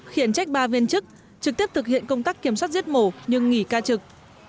khiển trách ba viên chức trực tiếp thực hiện công tác kiểm soát giết mổ nhưng nghỉ ca trực